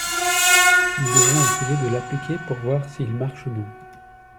Nous devons essayer de l’appliquer, pour voir s’il marche ou non.